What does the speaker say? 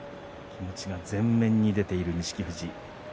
気持ちが前面に出ている錦富士。